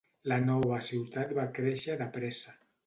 La nova ciutat va créixer de pressa.